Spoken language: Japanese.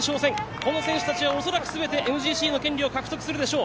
この選手たちは恐らくすべてＭＧＣの権利を獲得するでしょう。